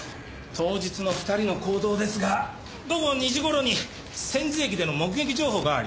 当日の２人の行動ですが午後２時頃に千頭駅での目撃情報があります。